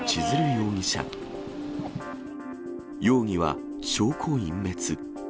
容疑は証拠隠滅。